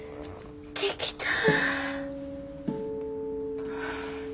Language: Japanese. できた。